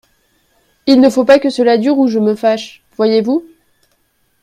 Il ne faut pas que cela dure Ou je me fâche, voyez-vous !